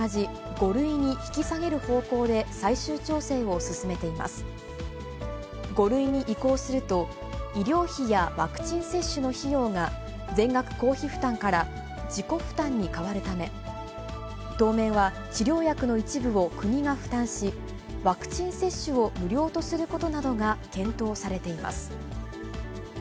５類に移行すると、医療費やワクチン接種の費用が、全額公費負担から自己負担に変わるため、当面は治療薬の一部を国が負担し、ワクチン接種を無料とすることなどが検討されています。